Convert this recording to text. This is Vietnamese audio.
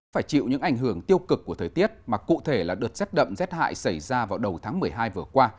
phải chịu những ảnh hưởng tiêu cực của thời tiết mà cụ thể là đợt rét đậm rét hại xảy ra vào đầu tháng một mươi hai vừa qua